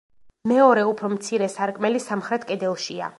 მეორე უფრო მცირე სარკმელი სამხრეთ კედელშია.